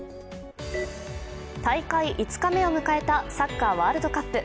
大会５日目を迎えたサッカーワールドカップ。